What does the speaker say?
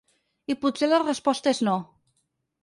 I potser la resposta és no.